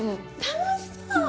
楽しそう！